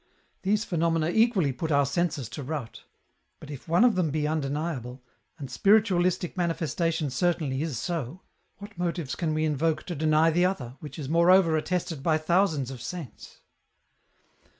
These phenomena equally put our senses to rout ; but if one of them be undeniable, and spiritualistic manifestation cer tainly is so, what motives can we invoke to deny the other, which is moreover attested by thousands of saints ?